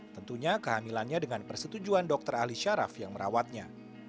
tentunya kehamilannya dengan persetujuan dokter ali syaraf yang merawatnya